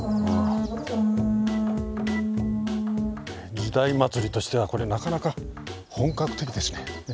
時代祭りとしてはこれなかなか本格的ですね。